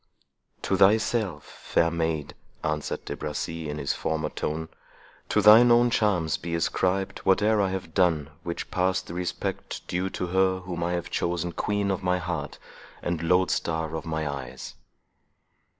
"To thyself, fair maid," answered De Bracy, in his former tone—"to thine own charms be ascribed whate'er I have done which passed the respect due to her, whom I have chosen queen of my heart, and lodestar of my eyes."